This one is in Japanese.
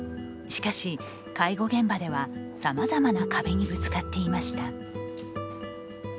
しかし介護現場ではさまざまな壁にぶつかっていました。